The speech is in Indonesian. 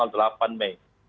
tujuh dan delapan mei